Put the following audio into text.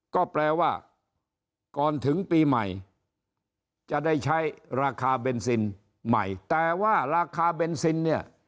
ก็แปลว่าก่อนถึงปีใหม่จะได้ใช้ราคาเบนซินใหม่แต่ว่าราคาเบนซินเนี่ย